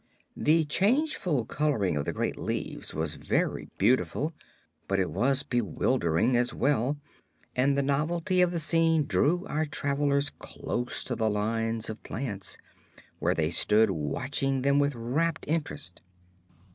The changeful coloring of the great leaves was very beautiful, but it was bewildering, as well, and the novelty of the scene drew our travelers close to the line of plants, where they stood watching them with rapt interest.